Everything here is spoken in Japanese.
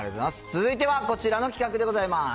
続いてはこちらの企画でございます。